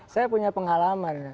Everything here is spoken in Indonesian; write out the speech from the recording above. saya punya pengalaman